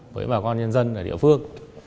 với bà con nhân dân ở địa phương